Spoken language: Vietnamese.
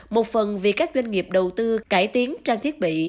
một phần vì các doanh nghiệp đầu tư cải tiến trang thiết bị